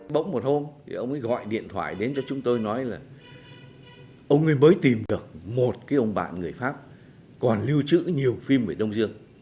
bỗng một hôm thì ông ấy gọi điện thoại đến cho chúng tôi nói là ông ấy mới tìm được một cái ông bạn người pháp còn lưu trữ nhiều phim về đông dương